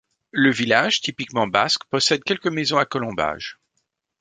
Le village, typiquement basque, possède quelques maisons à colombage.